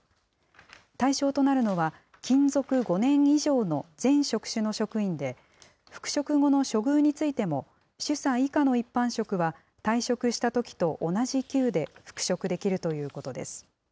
対象となるのは勤続５年以上の全職種の職員で、復職後の処遇についても主査以下の一般職は、退職したときと同じ級で復職できるということです。